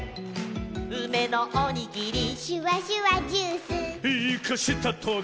「うめのおにぎり」「シュワシュワジュース」「イカしたトゲ」